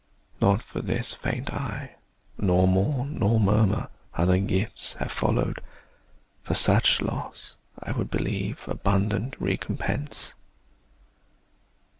Not for this Faint I, nor mourn nor murmur, other gifts Have followed; for such loss, I would believe, Abundant recompence.